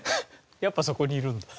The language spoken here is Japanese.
やっぱそこにいるんだ。